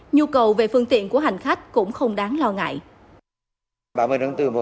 nhu cầu về phương tiện của hành khách cũng không đáng lo ngại